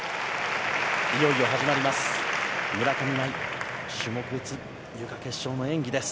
いよいよ始まります。